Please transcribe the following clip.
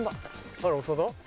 あら長田？